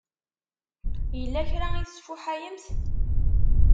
Yella kra i tesfuḥayemt?